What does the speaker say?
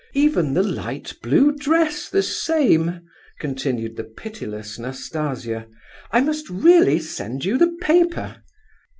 Even the light blue dress the same," continued the pitiless Nastasia. "I must really send you the paper."